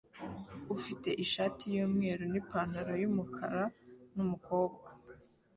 ufite ishati yumweru nipantaro yumukara numukobwa